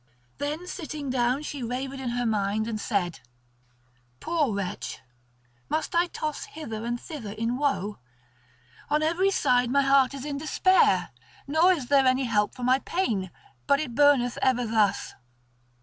Then sitting down she wavered in mind and said: "Poor wretch, must I toss hither and thither in woe? On every side my heart is in despair; nor is there any help for my pain; but it burneth ever thus.